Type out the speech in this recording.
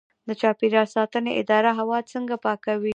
د چاپیریال ساتنې اداره هوا څنګه پاکوي؟